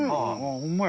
ホンマや。